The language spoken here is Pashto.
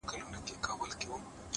هغه په ژړا ستغ دی چي يې هيڅ نه ژړل;